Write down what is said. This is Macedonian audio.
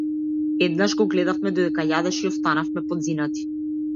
Еднаш го гледавме додека јадеше и останавме подзинати.